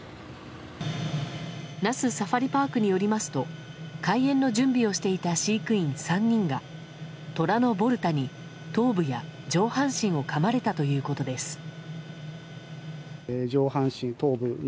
那須サファリパークによりますと開園の準備をしていた飼育員３人がトラのボルタに頭部や上半身をかまれたということです。